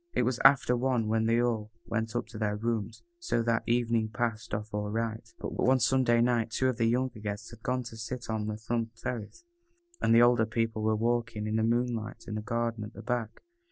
It was after one when they all went up to their rooms, so that evening passed off all right. But on Sunday night two of the younger guests had gone to sit on the front terrace, and the older people were walking, in the moonlight, in the garden at the back.